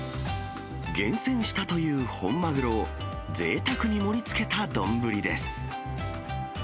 厳選したという本マグロを、ぜいたくに盛りつけた丼です。